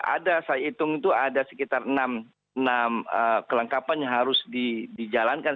ada saya hitung itu ada sekitar enam kelengkapan yang harus dijalankan